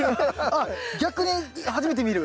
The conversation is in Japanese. あっ逆に初めて見る？